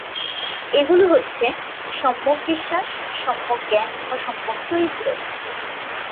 এগুলো হচ্ছে: সম্যক বিশ্বাস, সম্যক জ্ঞান ও সম্যকচরিত্র।